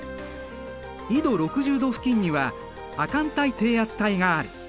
緯度６０度付近には亜寒帯低圧帯がある。